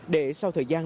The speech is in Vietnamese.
để sau thời gian